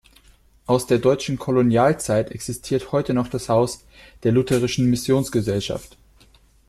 Aus der deutschen Kolonialzeit existiert heute noch das Haus der lutherischen Missionsgesellschaft.